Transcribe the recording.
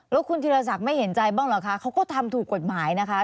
แล้วคุณธิรศักดิ์ไม่เห็นใจบ้างเหรอคะเขาก็ทำถูกกฎหมายนะคะ